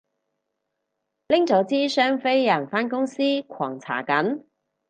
拎咗支雙飛人返公司狂搽緊